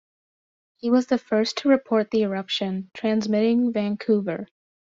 He was the first to report the eruption, transmitting Vancouver!